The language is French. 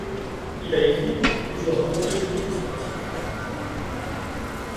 Il a écrit pour plusieurs grands périodiques sportifs.